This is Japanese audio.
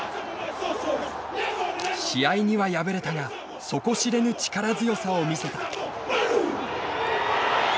試合には敗れたが底知れぬ力強さを見せた。